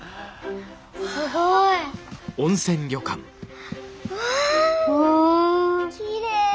すごい。うわきれい！